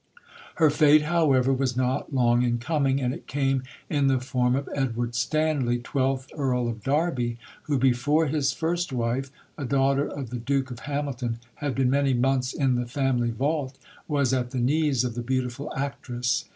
Her fate, however, was not long in coming; and it came in the form of Edward Stanley, twelfth Earl of Derby, who, before his first wife, a daughter of the Duke of Hamilton, had been many months in the family vault, was at the knees of the beautiful actress.